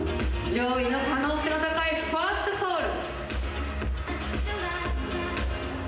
上位の可能性の高いファーストコール。